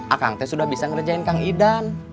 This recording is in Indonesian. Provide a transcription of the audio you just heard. akang saya sudah bisa ngerjain kang idan